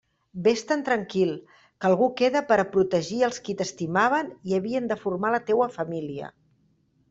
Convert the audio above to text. Vés-te'n tranquil, que algú queda per a protegir els qui t'estimaven i havien de formar la teua família.